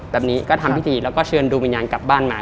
แบบนี้ก็ทำพิธีแล้วก็เชิญดวงวิญญาณกลับบ้านมา